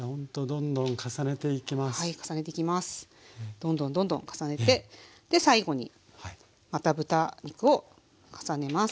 どんどんどんどん重ねて最後にまた豚肉を重ねます。